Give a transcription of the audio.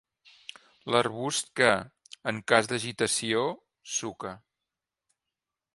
L'arbust que, en cas d'agitació, suca.